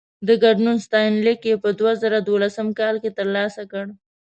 د ګډون ستاینلیک يې په دوه زره دولسم کال کې ترلاسه کړ.